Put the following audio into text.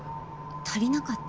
足りなかった？